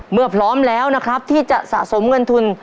พร้อมแล้วนะครับที่จะสะสมเงินทุน